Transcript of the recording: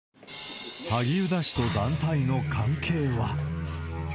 萩生田氏と団体の関係は。